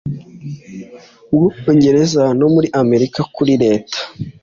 bwongereza no muri amerika kuri leta